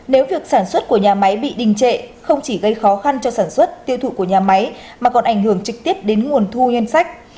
nếu việc sản xuất của nhà máy bị đình trệ không chỉ gây khó khăn cho sản xuất tiêu thụ của nhà máy mà còn ảnh hưởng trực tiếp đến nguồn thu ngân sách